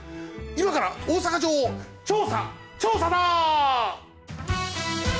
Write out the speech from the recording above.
今から大坂城を調査調査だ！